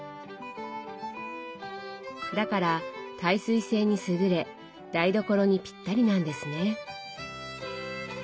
だから耐水性に優れ台所にぴったりなんですね。